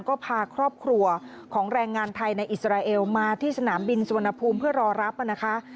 ก็พาครอบครัวของแรงงานไทยในอิสราเอลมาที่สนามบินสุวรรณภูมิเพื่อรอรับนะคะ